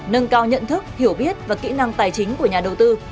nâng cao nhận thức hiểu biết và kỹ năng tài chính của nhà đầu tư